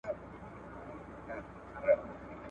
له آسمانه چي به ولیدې کوترو ..